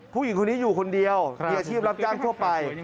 ผู้หญิงคนนี้อยู่คนเดียวมีอาชีพรับจ้างทั่วไป